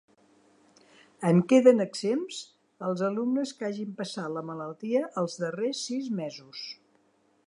En queden exempts els alumnes que hagin passat la malaltia els darrers sis mesos.